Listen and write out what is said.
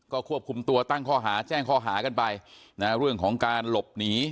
ก็ควบคุมตัวตั้งข้อหาแจ้งข้อหากันไปนะเรื่องของการหลบหนี